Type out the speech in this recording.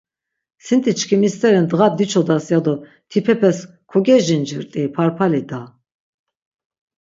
Sinti çkimi steri dğa diçodas yado tipepes kogejincirt̆iyi parpali da?